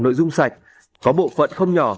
nội dung sạch có bộ phận không nhỏ